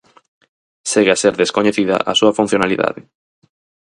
Segue a ser descoñecida a súa funcionalidade.